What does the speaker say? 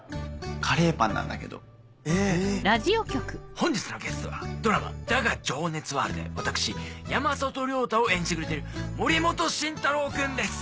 本日のゲストはドラマ『だが、情熱はある』で私山里亮太を演じてくれている森本慎太郎君です！